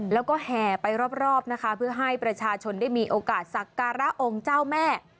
แล้วก็แห่ไปรอบนะคะเพื่อให้ประชาชนได้มีโอกาสสักการะองค์เจ้าแม่